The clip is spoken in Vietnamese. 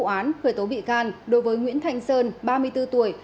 vụ án khởi tố bị can đối với nguyễn thanh sơn ba mươi bốn tuổi